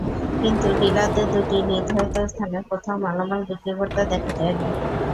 কিন্তু ডিলারদের দুটি নির্ধারিত স্থানের কোথাও মালামাল বিক্রি করতে দেখা যায়নি।